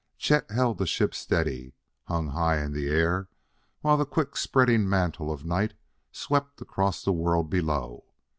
Chet held the ship steady, hung high in the air, while the quick spreading mantle of night swept across the world below.